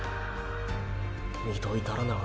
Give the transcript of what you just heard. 見といたらなあ